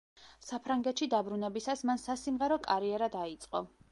საფრანგეთში დაბრუნებისას მან სასიმღერო კარიერა დაიწყო.